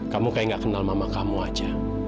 kamu kayak gak kenal mama kamu aja